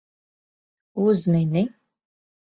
Uzmini.